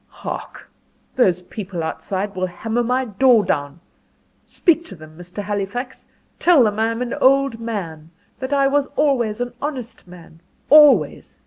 "Hark! those people outside will hammer my door down! Speak to them, Mr. Halifax tell them I'm an old man that I was always an honest man always.